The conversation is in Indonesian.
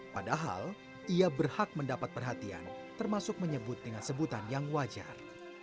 padahal ia berhak mendapat perhatian termasuk menyebut dengan sebutan yang wajar